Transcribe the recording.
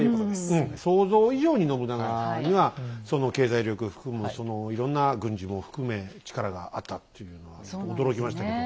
うん想像以上に信長には経済力含むそのいろんな軍事も含め力があったっていうのは驚きましたけど。